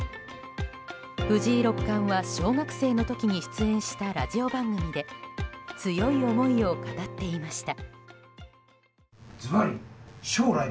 藤井六冠は小学生の時に出演したラジオ番組で強い思いを語っていました。